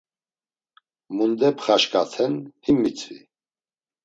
Munde pxaşǩaten him mitzvi?